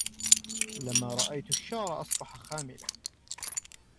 لما رأيت الشعر أصبح خاملا